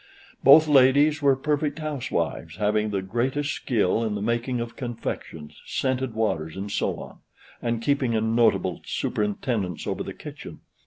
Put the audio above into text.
Both ladies were perfect housewives, having the greatest skill in the making of confections, scented waters, &c., and keeping a notable superintendence over the kitchen.